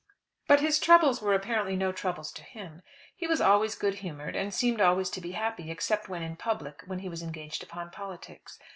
But his troubles were apparently no troubles to him. He was always good humoured, and seemed always to be happy except when in public, when he was engaged upon politics.